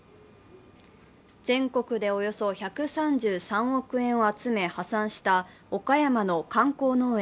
全国でおよそ１３３億円を集め破産した岡山の観光農園